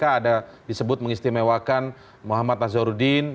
ada disebut mengistimewakan muhammad nazarudin